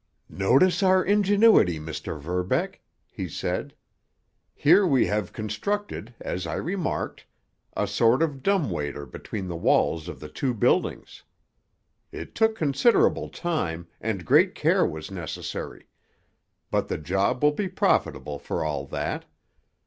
"Notice our ingenuity, Mr. Verbeck," he said. "Here we have constructed, as I remarked, a sort of dumb waiter between the walls of the two buildings. It took considerable time, and great care was necessary, but the job will be profitable for all that.